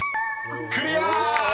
［クリア！］